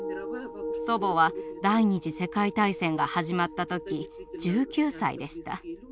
祖母は第２次世界大戦が始まった時１９歳でした。